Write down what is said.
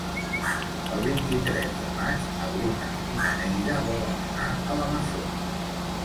El vint-i-tres de maig na Bruna i na Neida volen anar a la Masó.